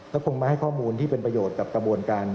ก็คงมาให้ข้อมูลที่เป็นประโยชน์กับกระบวนการ